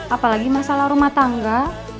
apalagi masalah rumah tangga